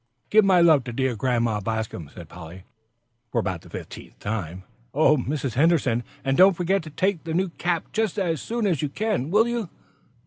"Give my love to dear Grandma Bascom," said Polly, for about the fiftieth time. "Oh, Mrs. Henderson, and don't forget to take over the new cap just as soon as you can, will you?"